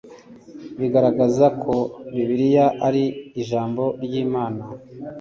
bigaragaza ko Bibiliya ari Ijambo ry Imana